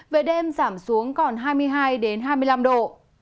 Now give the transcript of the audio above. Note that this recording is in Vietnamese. về đêm giảm xuống còn hai mươi hai hai mươi năm độ